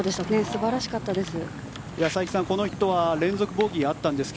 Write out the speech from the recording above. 素晴らしかったです。